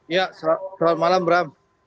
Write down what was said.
ya selamat malam bram